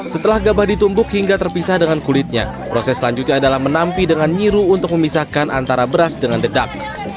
setelah gabah ditumbuk hingga terpisah dengan kulitnya proses selanjutnya adalah menampi dengan nyiru untuk memisahkan antara beras dengan dedak